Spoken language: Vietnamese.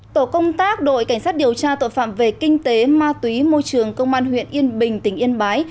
tổ công tác đội cảnh sát điều tra tội phạm về kinh tế ma túy môi trường công an huyện yên bình tỉnh yên bái